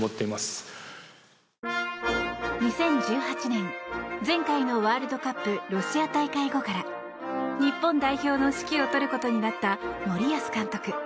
２０１８年前回のワールドカップロシア大会後から日本代表の指揮を執ることになった森保監督。